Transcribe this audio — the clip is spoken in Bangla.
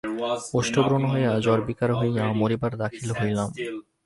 ওষ্ঠব্রণ হইয়া জ্বরবিকার হইয়া, মরিবার দাখিল হইলাম।